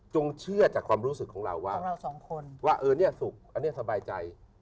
จงเชื่อจากความรู้สึกของเราว่าว่าเนี่ยสุขเนี่ยสบายใจ